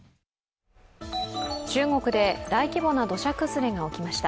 中国で大規模な土砂崩れが起きました。